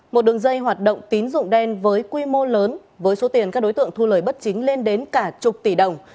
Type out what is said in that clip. một đường dây hoạt động tín dụng đen với quy mô lớn với số tiền các đối tượng thu lời bất chính lên đến cả chục tỷ đồng